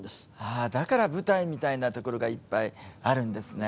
だから、舞台みたいなところが、いっぱいあるんですね。